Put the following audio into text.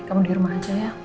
kamu di rumah aja ya